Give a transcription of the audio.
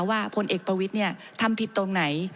พลเอกประวิทย์ทำผิดตรงไหน